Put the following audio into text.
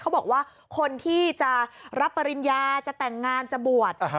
เขาบอกว่าคนที่จะรับปริญญาจะแต่งงานจะบวช